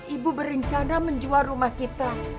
ibu berencana menjual rumah kita